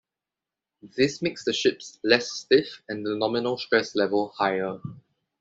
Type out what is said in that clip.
This makes the ships less stiff and the nominal stress level higher.